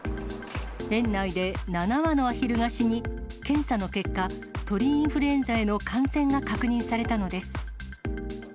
園内で７羽のアヒルが死に、検査の結果、鳥インフルエンザへの感染が確認されたのです。